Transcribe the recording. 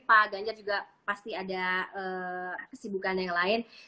pak ganjar juga pasti ada kesibukan yang lain